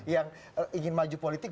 yang ingin maju politik